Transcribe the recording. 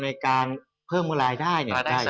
ในการเพิ่มเมื่อรายได้